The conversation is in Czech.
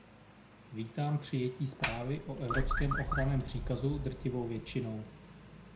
Vítám přijetí zprávy o evropském ochranném příkazu drtivou většinou.